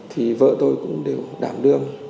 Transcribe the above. thì vợ tôi cũng đều đảm đương